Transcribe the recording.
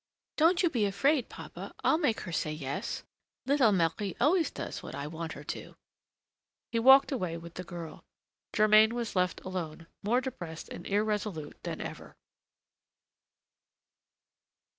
"Don't you be afraid, papa, I'll make her say yes: little Marie always does what I want her to." He walked away with the girl. Germain was left alone, more depressed and irresolute than ever.